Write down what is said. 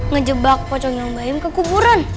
ngejebak pocong yang bayam kekuburan